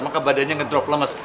maka badannya ngedrop lemes